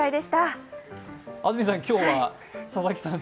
安住さん、今日は佐々木さんと。